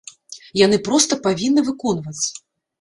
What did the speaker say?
Яны проста павінны выконваць.